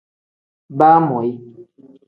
Baamoyi.